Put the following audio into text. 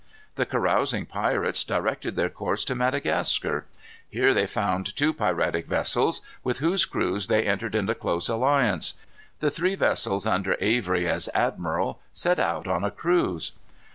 The carousing pirates directed their course to Madagascar. Here they found two piratic vessels, with whose crews they entered into close alliance. The three vessels, under Avery as admiral, set out on a cruise.